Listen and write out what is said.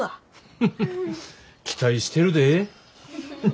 フフフ期待してるで。